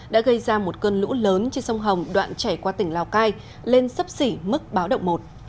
đã gây ra một cơn lũ lớn trên sông hồng đoạn chảy qua tỉnh lào cai lên sấp xỉ mức báo động một